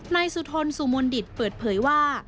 นายสุธนสุมนดิตเปิดเผยว่า